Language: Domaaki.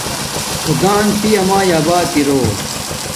خدان پیامایا آباد ارو